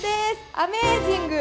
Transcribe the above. アメージング！